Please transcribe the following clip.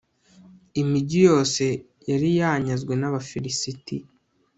imigi yose yari yanyazwe n'abafilisiti